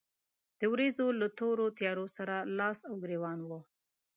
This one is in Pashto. د ورېځو له تورو تيارو سره لاس او ګرېوان و.